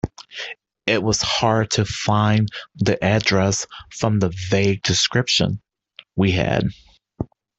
It was hard to find the address from the vague description we had.